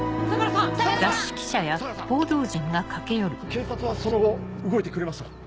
警察はその後動いてくれましたか？